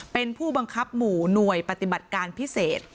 เป็นผู้บังคับหมู่หน่วยปฏิบัติการพิเศษ